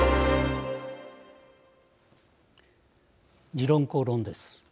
「時論公論」です。